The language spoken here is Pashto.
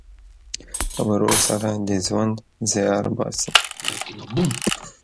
ورور سره د ژوند زیار باسې.